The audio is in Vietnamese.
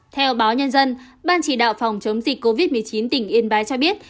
theo báo nhân dân ban chỉ đạo phòng chống dịch covid một mươi chín tỉnh yên bái cho biết